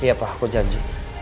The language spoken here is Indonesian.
iya pak aku janji